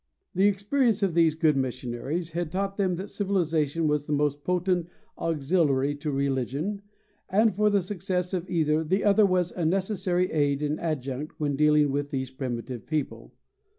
The experience of these good missionaries had taught them that civilization was the most potent auxiliary to religion, and, for the success of either, the other was a necessary aid and adjunct when dealing with these primitive people.